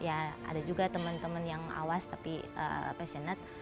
ya ada juga teman teman yang awas tapi passionate